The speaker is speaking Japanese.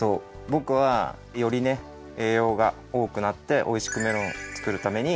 ぼくはよりねえいようがおおくなっておいしくメロンを作るために